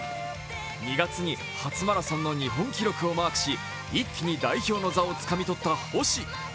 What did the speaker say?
２月に初マラソンの日本記録をマークし一気に代表の座をつかみとった星。